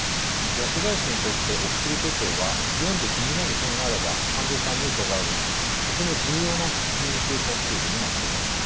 薬剤師にとってお薬手帳は読んで気になる点があれば患者さんに伺えるとても重要なコミュニケーションツールになっています。